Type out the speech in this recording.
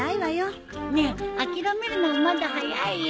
ねえ諦めるのはまだ早いよ。